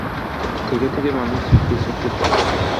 থেকে থেকে মানুষ ছিটকে ছিটকে পড়ে।